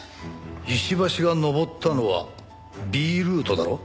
石橋が登ったのはＢルートだろ？